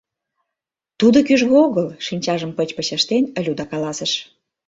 — Тудо кӱжгӱ огыл, — шинчажым пыч-пыч ыштен, Люда каласыш.